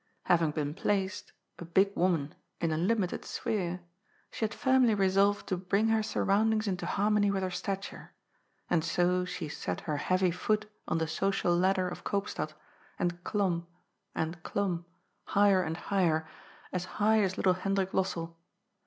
Having been placed, a big woman, in a limited sphere, she had firmly resolved to bring her surroundings into harmony with her stature, and so she set her heavy foot on the social ladder of Koopstad and A STRUQQLE PORr LIPER." 149 clomb, and domb, higher and higher, as high as little Hen drik Lossell.